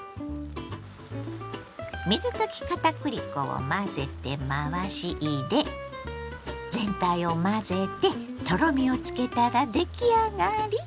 水溶き片栗粉を混ぜて回し入れ全体を混ぜてとろみをつけたら出来上がり。